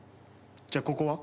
じゃあここは？